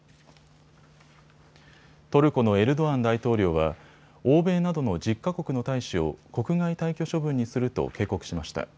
トルコのエルドアン大統領は欧米などの１０か国の大使を国外退去処分にすると警告しました。